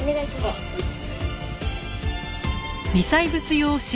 ああはい。